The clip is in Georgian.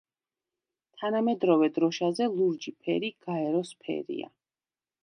თანამედროვე დროშაზე ლურჯი ფერი გაეროს ფერია.